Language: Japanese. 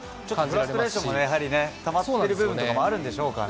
フラストレーションもたまっている部分とかもあるんでしょうかね。